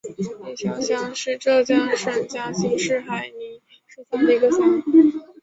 伊桥乡是浙江省嘉兴市海宁市下的一个乡。